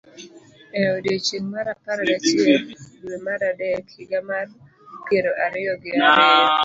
E odiechieng' mar apar gachiel, dwe mar adek, higa mar piero ariyo gi ariyo,